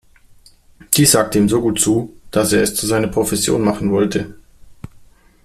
Dies sagte ihm so gut zu, dass er es zu seiner Profession machen wollte.